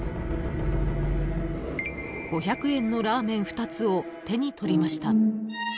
［５００円のラーメン２つを手に取りました］